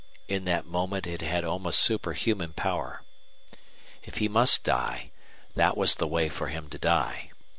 In that moment it had almost superhuman power. If he must die, that was the way for him to die.